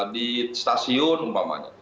di stasiun umpamanya